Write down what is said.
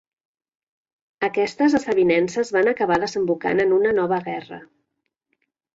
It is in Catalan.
Aquestes desavinences van acabar desembocant en una nova guerra.